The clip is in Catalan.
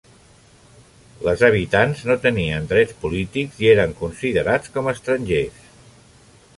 Les habitants no tenien drets polítics i eren considerats com estrangers.